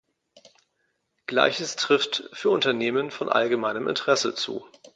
Gleiches trifft für Unternehmen von allgemeinem Interesse zu.